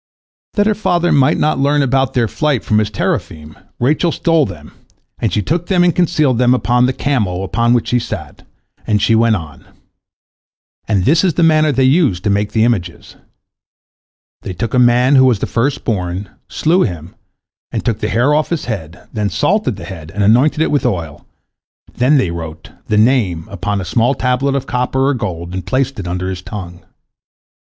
That her father might not learn about their flight from his teraphim, Rachel stole them, and she took them and concealed them upon the camel upon which she sat, and she went on. And this is the manner they used to make the images: They took a man who was the first born, slew him and took the hair off his head, then salted the head, and anointed it with oil, then they wrote "the Name" upon a small tablet of copper or gold, and placed it under his tongue.